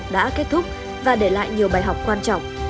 một nghìn một trăm một mươi một đã kết thúc và để lại nhiều bài học quan trọng